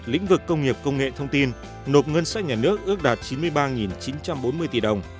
lĩnh vực công nghiệp công nghệ thông tin nộp ngân sách nhà nước ước đạt chín mươi ba chín trăm bốn mươi tỷ đồng